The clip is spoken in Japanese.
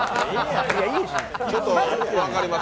ちょっと分かります。